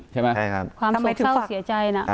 ทำไมตัวเจ้าเสียใจนะ